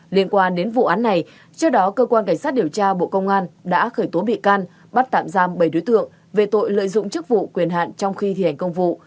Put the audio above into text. liên quan đến vụ án này trước đó cơ quan cảnh sát điều tra bộ công an đã khởi tố bị can bắt tạm giam bảy đối tượng về tội lợi dụng chức vụ quyền hạn trong khi thi hành công vụ